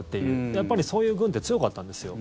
やっぱり、そういう軍って強かったんですよ。